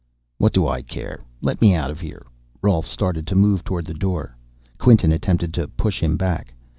"What do I care? Let me out of here." Rolf started to move toward the door. Quinton attempted to push him back.